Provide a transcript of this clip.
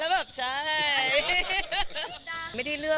แล้วแบบใช่